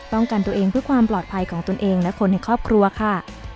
กันตัวเองเพื่อความปลอดภัยของตนเองและคนในครอบครัวค่ะ